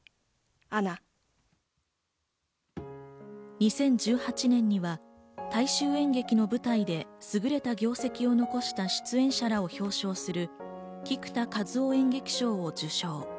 ２０１８年には大衆演劇の舞台ですぐれた業績を残した出演者らを表彰する菊田一夫演劇賞を受賞。